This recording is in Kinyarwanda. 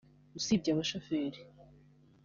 usibye abashoferi